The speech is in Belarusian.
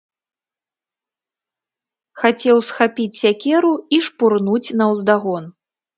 Хацеў схапіць сякеру і шпурнуць наўздагон.